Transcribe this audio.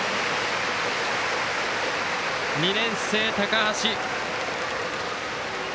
２年生、高橋。